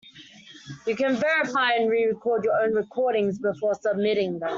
You can verify and re-record your own recordings before submitting them.